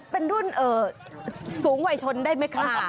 เป็นรุ่นสูงวัยชนได้ไหมคะ